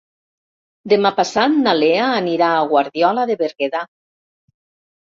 Demà passat na Lea anirà a Guardiola de Berguedà.